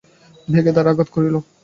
বেগে দ্বারে আঘাত করিল।